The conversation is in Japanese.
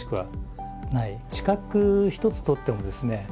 知覚一つとってもですね